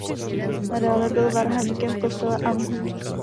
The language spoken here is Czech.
Nadále byl varhaníkem v kostele "Am Hof".